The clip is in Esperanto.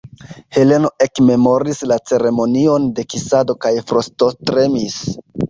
Heleno ekmemoris la ceremonion de kisado kaj frostotremis.